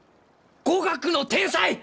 語学の天才！